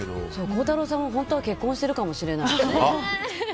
孝太郎さんも本当は結婚しているかもしれない。